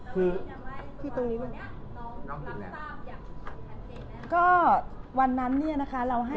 คือวันนั้นเนี่ยนะคะเราให้